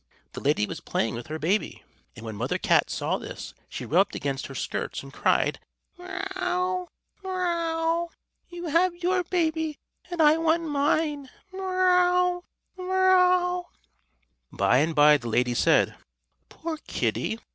The lady was playing with her baby and when Mother Cat saw this she rubbed against her skirts, and cried: "Mee ow, mee ow! You have your baby, and I want mine! Mee ow, mee ow!" By and by the lady said: "Poor Kitty!